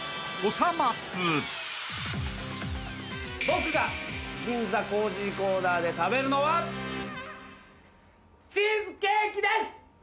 僕が銀座コージーコーナーで食べるのはチーズケーキです！